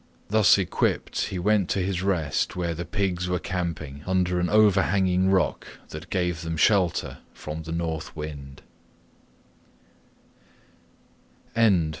Thus equipped he went to his rest where the pigs were camping under an overhanging rock that gave them shelter from the North wind.